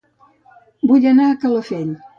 Vull anar a Calafell